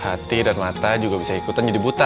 hati dan mata juga bisa ikutan jadi buta